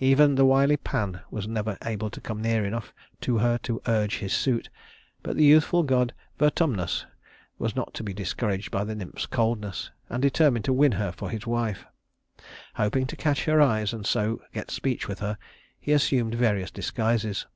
Even the wily Pan was never able to come near enough to her to urge his suit, but the youthful god Vertumnus was not to be discouraged by the nymph's coldness, and determined to win her for his wife. Hoping to catch her eyes and so get speech with her, he assumed various disguises.